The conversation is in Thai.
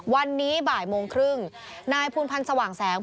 วันนี้บ่ายโมงครึ่งนายภูนพันธ์สว่างแสง